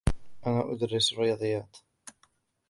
أنا أدرس الرياضيات.